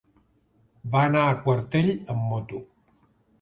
Va anar a Quartell amb moto.